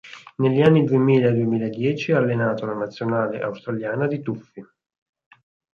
Negli anni duemila e duemiladieci ha allenato la nazionale australiana di tuffi.